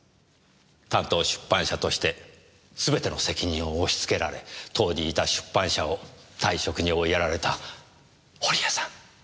担当出版者としてすべての責任を押しつけられ当時いた出版社を退職に追いやられた堀江さん